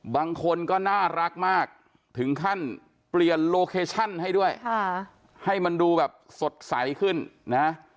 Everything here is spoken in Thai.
บางคนก็น่ารักมากถึงขั้นเปลี่ยนโลเคชั่นให้ด้วยให้มันดูแบบสดใสขึ้นนะ